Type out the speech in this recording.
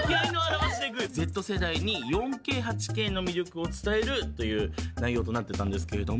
Ｚ世代に４Ｋ８Ｋの魅力を伝えるという内容となっていたんですけれども。